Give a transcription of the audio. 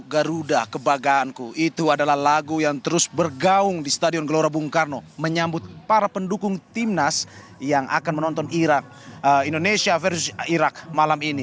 garuda kebanggaanku itu adalah lagu yang terus bergaung di stadion gelora bung karno menyambut para pendukung timnas yang akan menonton irak indonesia versus irak malam ini